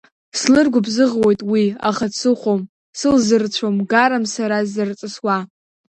Слыргәыбзыӷуеит уи, аха дсыхәом, сылзырцәом гарам сара сзырҵысуа.